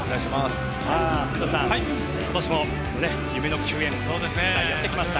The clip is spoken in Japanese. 古田さん、今年も夢の球宴がやってきました。